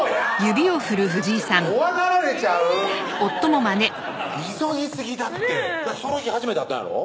怖がられちゃうもう急ぎすぎだってその日初めて会ったんやろ？